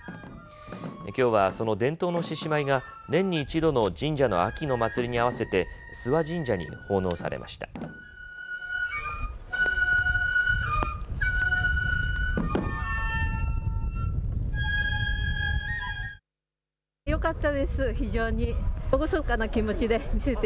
きょうはその伝統の獅子舞が年に一度の神社の秋の祭りに合わせて諏訪神社に奉納されました。